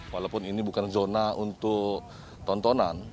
walaupun ini bukan zona untuk tontonan